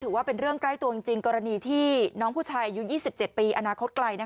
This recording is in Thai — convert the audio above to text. ว่าเป็นเรื่องใกล้ตัวจริงกรณีที่น้องผู้ชายอายุ๒๗ปีอนาคตไกล